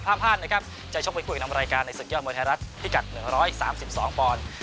ห้ามพลาดนะครับจะชกเป็นคู่เอกนำรายการในศึกยอดมวยไทยรัฐพิกัด๑๓๒ปอนด์